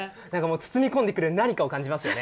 包み込んでくれる何かを感じますよね。